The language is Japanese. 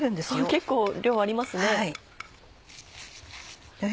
結構量ありますね。